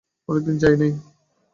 অনেক দিন যায় নাই।